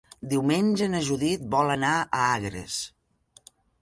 Diumenge na Judit vol anar a Agres.